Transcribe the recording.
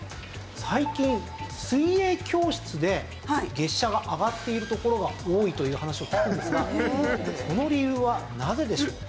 最近水泳教室で月謝が上がっているところが多いという話を聞くんですがその理由はなぜでしょう？